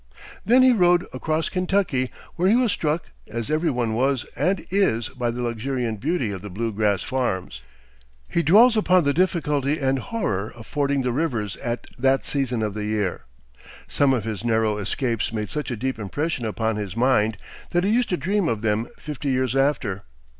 Then he rode across Kentucky, where he was struck, as every one was and is, by the luxuriant beauty of the blue grass farms. He dwells upon the difficulty and horror of fording the rivers at that season of the year. Some of his narrow escapes made such a deep impression upon his mind that he used to dream of them fifty years after.